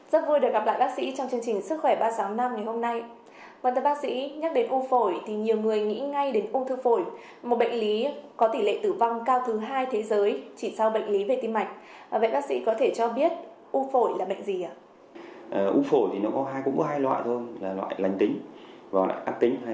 rất vui được gặp lại bác sĩ trong chương trình sức khỏe ba sáu năm ngày hôm nay